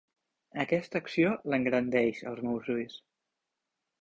Aquesta acció l'engrandeix als meus ulls.